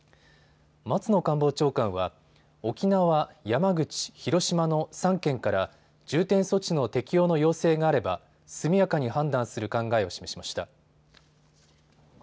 松野官房長官は、沖縄、山口、広島の３県から重点措置の適用の要請があれば速やかに判断する考えを示しました。